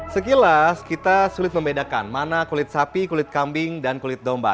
sekilas kita sulit membedakan mana kulit sapi kulit kambing dan kulit domba